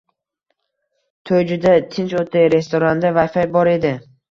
To'y juda tinch o'tdi. Restoranda Wi-Fi bor edi...